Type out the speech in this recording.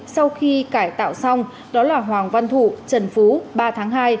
sau khi cải tạo xong đó là hoàng văn thụ trần phú ba tháng hai